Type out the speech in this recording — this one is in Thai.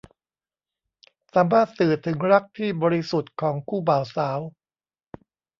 สามารถสื่อถึงรักที่บริสุทธิ์ของคู่บ่าวสาว